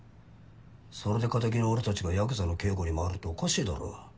それでカタギの俺たちがヤクザの警護にまわるっておかしいだろ。